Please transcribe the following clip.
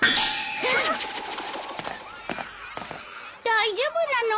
大丈夫なの？